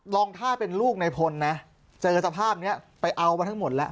ลองถ้าเป็นลูกในพลนะเจอสภาพนี้ไปเอามาทั้งหมดแล้ว